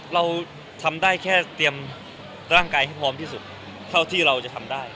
เราทำได้แค่เตรียมร่างกายให้พร้อมที่สุดเท่าที่เราจะทำได้